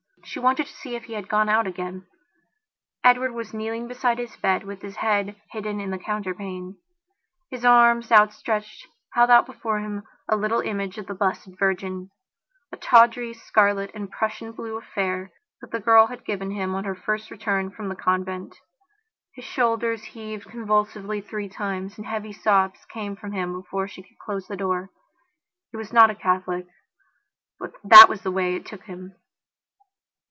She wanted to see if he had gone out again. Edward was kneeling beside his bed with his head hidden in the counterpane. His arms, outstretched, held out before him a little image of the Blessed Virgina tawdry, scarlet and Prussian blue affair that the girl had given him on her first return from the convent. His shoulders heaved convulsively three times, and heavy sobs came from him before she could close the door. He was not a Catholic; but that was the way it took him.